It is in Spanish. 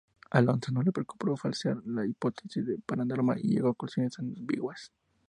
A Alonso no le preocupó falsear la hipótesis paranormal y llegó a conclusiones ambiguas.